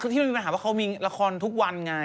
คือที่มันมีปัญหาเพราะเขามีละครทุกวันไง